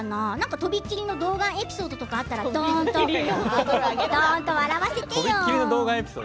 とびきりの童顔エピソードがあったらどんと笑わせてよ。